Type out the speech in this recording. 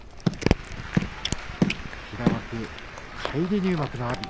平幕かえり入幕の阿炎。